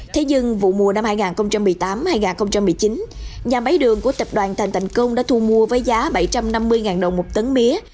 thế nhưng vụ mùa năm hai nghìn một mươi tám hai nghìn một mươi chín nhà máy đường của tập đoàn thành thành công đã thu mua với giá bảy trăm năm mươi đồng một tấn mía